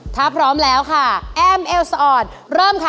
ถ้าพร้อมแล้วค่ะแอมเอลสออนเริ่มค่ะ